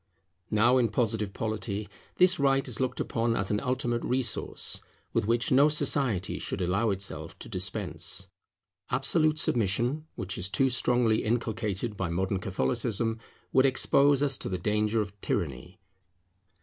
Now in Positive Polity, this right is looked upon as an ultimate resource, with which no society should allow itself to dispense. Absolute submission, which is too strongly inculcated by modern Catholicism, would expose us to the danger of tyranny.